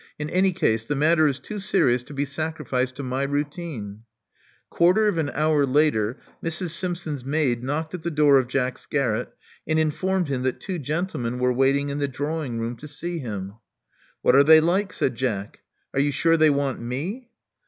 In any case the matter is too serious to be sacrificed to my routine. '* Quarter of an hour later, Mrs. Simpson's maid knocked at the door of Jack's garret, and informed him that two gentlemen were waiting in the drawing room to see him. What are they like?" said Jack. Are you sure they want me?"